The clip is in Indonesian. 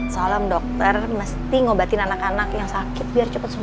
soalnya om dokter mesti ngobatin anak anak yang sakit biar cepet sembuh